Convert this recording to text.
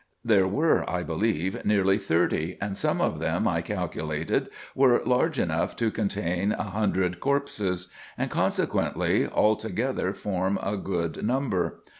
There were, I believe, nearly thirty, and some of them I calculated were large enough to contain a hundred corpses; and consequently, altogether, form a good number.